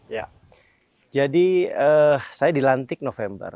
ya jadi saya dilantik november